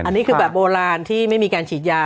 อันนี้คือแบบโบราณที่ไม่มีการฉีดยา